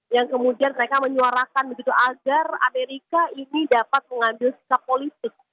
yang kemudian mereka menyuarakan begitu agar amerika ini dapat mengambil sikap politik